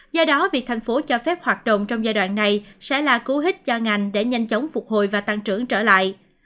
do đó việc tp hcm cho phép hoạt động trong giai đoạn này sẽ là cú hít cho ngành để nhanh chóng phục hồi và tăng trưởng trở lại